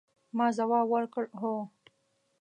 ما ځواب ورکړ، هو.